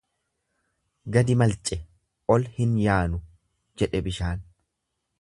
Gadi malce ol hin yaanu jedhe bishaan.